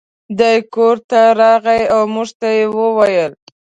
دی کور ته راغی او مور ته یې وویل.